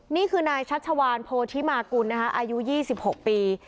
นี่คือนายชัชวานโพธิมากุลอายุ๒๖ปี